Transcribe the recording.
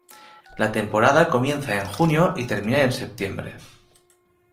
La temporada comienza en junio y termina en septiembre.